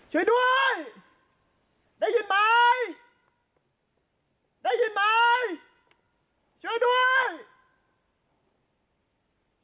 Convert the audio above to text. ช่วยด้วยได้ยินไหมได้ยินไหมช่วยด้วยช่วยด้วย